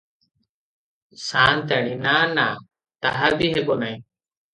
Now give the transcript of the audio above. ସା’ନ୍ତାଣୀ – ନା – ନା, ତାହା ବି ହେବ ନାହିଁ ।